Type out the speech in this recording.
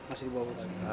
masih di bawah umur